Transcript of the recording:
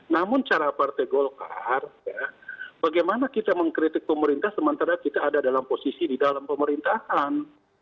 namun cara partai golkar bagaimana kita mengkritik pemerintah sementara kita ada dalam posisi di dalam pemerintahan